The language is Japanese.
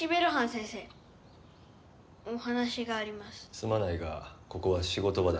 すまないがここは仕事場だ。